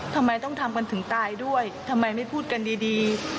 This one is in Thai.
ทำไมต้องทำกันถึงตายด้วยทำไมไม่พูดกันดี